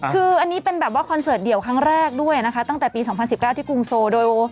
คืออันนี้เป็นแบบว่าคอนเสิร์ตเดี่ยวครั้งแรกด้วยนะคะตั้งแต่ปี๒๐๑๙ที่กรุงโซโดย